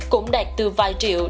cũng đạt từ vài triệu